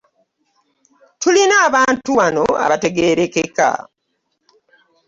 Tulina abantu wano abategeerekeka.